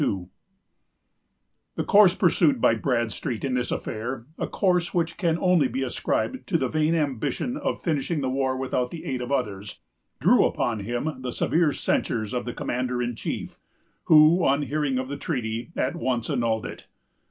The course pursued by Bradstreet in this affair——a course which can only be ascribed to the vain ambition of finishing the war without the aid of others——drew upon him the severe censures of the commander in chief, who, on hearing of the treaty, at once annulled it.